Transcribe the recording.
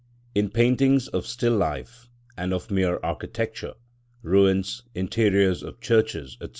In paintings of still life, and of mere architecture, ruins, interiors of churches, &c.